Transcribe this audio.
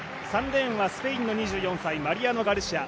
３レーンはスペインの２４歳マリアノ・ガルシア。